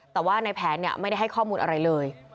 แต่ว่าในแผนไม่ได้ให้ข้อมูลอะไรเลย